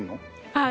はい。